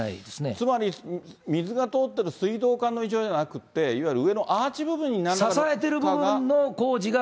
つまり水が通っている水道管の異常ではなくて、いわゆる上のアーチ部分になんらかの負荷が。